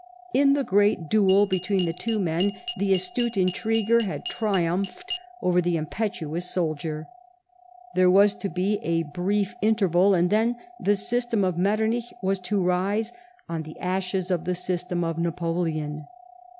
In the great duel between the two men the astute intriguer had triumphed over the impetuous soldier. There was to be a brief interval, and then the system of Metternich was to rise on the ashes of the system of Napoleon.